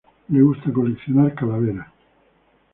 Le gusta coleccionar calaveras.